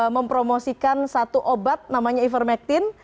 mempromosikan satu obat namanya ivermectin